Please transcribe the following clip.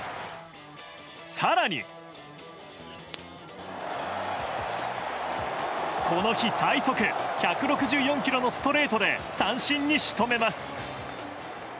更にこの日最速１６４キロのストレートで三振に仕留めます。